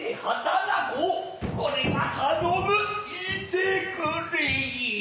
これは頼むいてくれい。